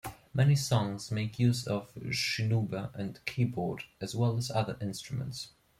Many songs make use of shinobue and keyboard, as well as other instruments.